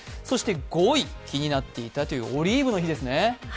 そして５位、気になっていたというオリーブの日ですね。